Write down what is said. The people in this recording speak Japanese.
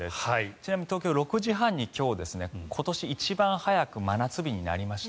ちなみに東京は６時半に今年一番早く真夏日になりました。